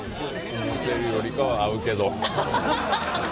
思ってるよりかは合う。